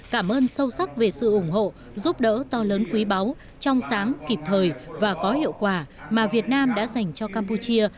cảm ơn sâu sắc về sự ủng hộ giúp đỡ to lớn quý báu trong sáng kịp thời và có hiệu quả mà việt nam đã dành cho campuchia